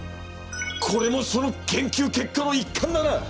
これもその研究結果の一環だな。